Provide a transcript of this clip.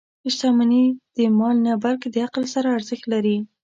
• شتمني د مال نه، بلکې د عقل سره ارزښت لري.